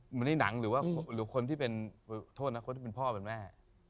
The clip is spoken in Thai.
เหมือนในหนังหรือว่าหรือคนที่เป็นโทษนะคนที่เป็นพ่อเป็นแม่